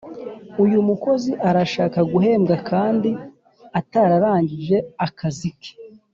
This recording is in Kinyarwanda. Uyumukozi arashaka guhembwa kandi atararangije akazike